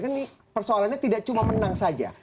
ini persoalannya tidak cuma menang saja